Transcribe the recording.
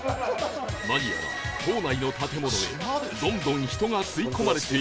何やら島内の建物へどんどん人が吸い込まれていき